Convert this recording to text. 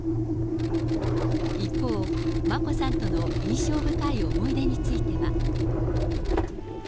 一方、眞子さんとの印象深い思い出については。